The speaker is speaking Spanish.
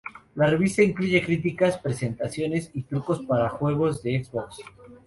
La revista incluye críticas, presentaciones y trucos para juegos de Xbox.